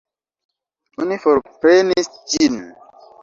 Oni forprenis ĝin.